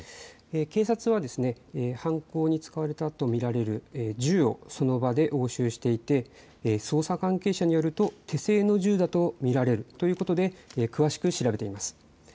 警察は犯行に使われたと見られる銃をその場で押収していて捜査関係者によると手製の銃と見られるということで詳しく調べています。